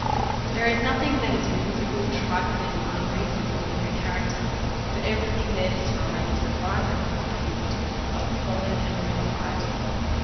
There is nothing that is whimsical, trifling, or un reasonable in her character, but every thing there is described in a right and proper instance of a solid and real piety.